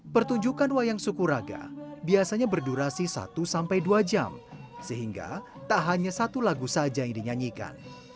pertunjukan wayang sukuraga biasanya berdurasi satu sampai dua jam sehingga tak hanya satu lagu saja yang dinyanyikan